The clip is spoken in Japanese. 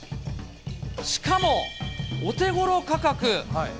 しかも、お手ごろ価格。